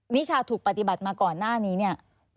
นิชาถูกปฏิบัติมาก่อนหน้านี้เนี่ย